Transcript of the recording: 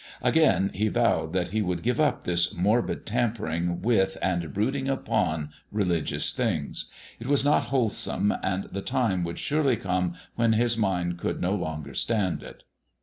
Again he vowed that he would give up this morbid tampering with and brooding upon religious things; it was not wholesome, and the time would surely come when his mind could no longer stand it.